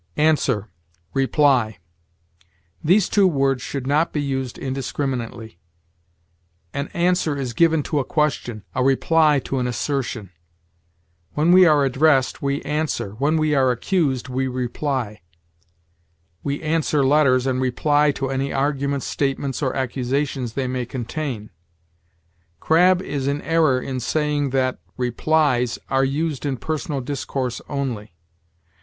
ANSWER REPLY. These two words should not be used indiscriminately. An answer is given to a question; a reply, to an assertion. When we are addressed, we answer; when we are accused, we reply. We answer letters, and reply to any arguments, statements, or accusations they may contain. Crabb is in error in saying that replies "are used in personal discourse only."